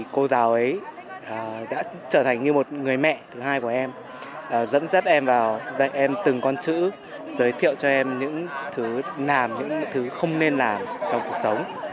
cô giáo ấy đã trở thành như một người mẹ thứ hai của em dẫn dắt em vào dạy em từng con chữ giới thiệu cho em những thứ làm những thứ không nên làm trong cuộc sống